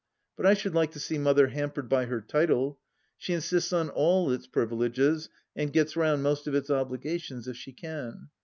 But I should like to see Mother hampered by her title ! She insists on all its privileges and gets round most of its obligations if she can.